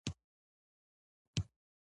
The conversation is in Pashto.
د ټابليټنو ډولونه: